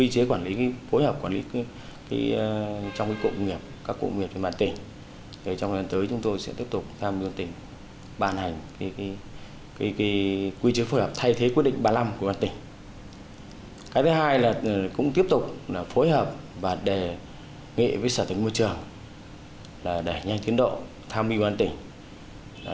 để nghệ với sở tính môi trường để nhanh tiến độ tham mưu an tỉnh